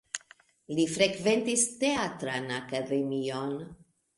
Li frekventis Teatran Akademion.